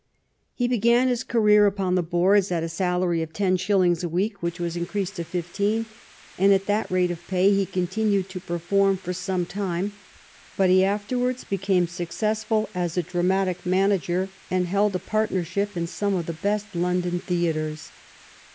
He 197. THE REIGN OF QUEEN ANNE began his career upon the boards at a salary of ten shillings a week, which was increased to fifteen, and at that rate of pay he continued to perform for some time; but he afterwards bectmie successful as a dra matic manager, and held a partnership in some of the best London theatres.